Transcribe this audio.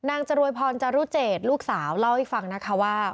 จรวยพรจารุเจตลูกสาวเล่าให้ฟังนะคะว่า